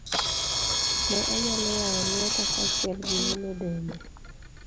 Ne anyalo yawo lweta kaachiel gi mulo dende.